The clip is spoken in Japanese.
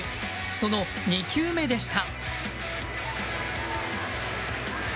その２球目でした。